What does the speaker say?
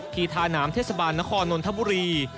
ที่ท่าน้ำเทศบาลนครนนทบุรี